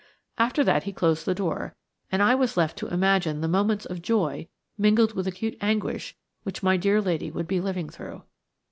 After that he closed the door, and I was left to imagine the moments of joy, mingled with acute anguish, which my dear lady would be living through.